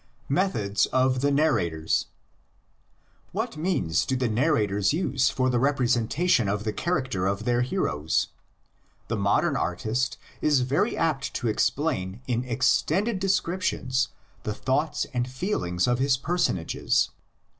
METHODS OF THE NARRATORS. What means do the narrators use for the rep resentation of the character of their heroes? The modern artist is very apt to explain in extended descriptions the thoughts and feelings of his personages.